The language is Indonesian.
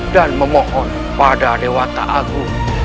dan memohon pada dewa ta'agung